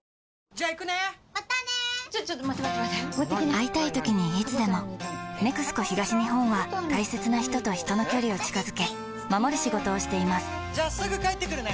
会いたいときにいつでも「ＮＥＸＣＯ東日本」は大切な人と人の距離を近づけ守る仕事をしていますじゃあすぐ帰ってくるね！